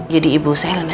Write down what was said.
jadi ibu saya lenacit ya